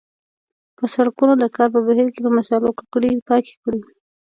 که سړکونه د کار په بهیر کې په مسالو ککړیږي پاک یې کړئ.